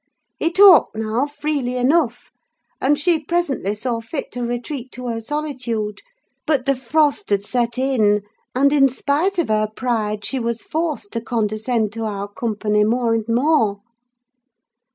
He talked now, freely enough; and she presently saw fit to retreat to her solitude: but the frost had set in, and, in spite of her pride, she was forced to condescend to our company, more and more.